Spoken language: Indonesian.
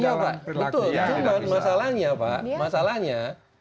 iya betul cuma masalahnya pak masalahnya